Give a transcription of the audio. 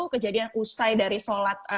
kejadian usai dari sholat